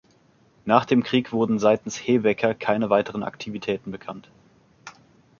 Nach dem Krieg wurden seitens Hebecker keine weiteren Aktivitäten bekannt.